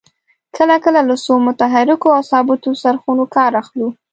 کله کله له څو متحرکو او ثابتو څرخونو کار اخلو.